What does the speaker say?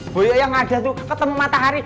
boyo yang ada tuh ketemu matahari